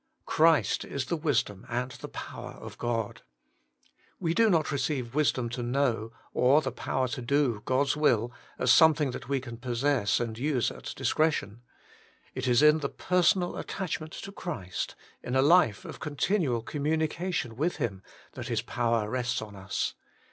* Christ is the wisdom and the power of God.' We do not receive the wisdom to know, or the power to do God's will as 136 Working for God something that we can possess and use at discretion. It is in the personal attachment to Christ, in a Ufe of continual communica tion with Him, that His power rests on us.